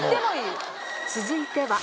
続いては。